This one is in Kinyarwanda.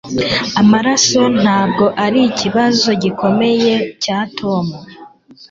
Amaraso ntabwo arikibazo gikomeye cya Tom